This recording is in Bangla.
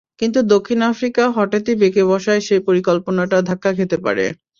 কিন্তু দক্ষিণ আফ্রিকা হঠাৎই বেঁকে বসায় সেই পরিকল্পনাটা ধাক্কা খেতে পারে।